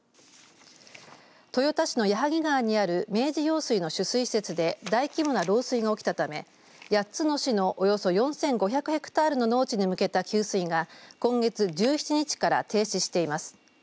豊田市の矢作川にある明治用水の取水施設で大規模な漏水が起きたため８つの市のおよそ４５００ヘクタールの農地に向けた給水が今月１７日から停止しています。